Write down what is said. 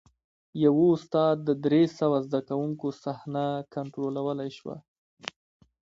یوه استاد د درې سوه زده کوونکو صحنه کنټرولولی شوه.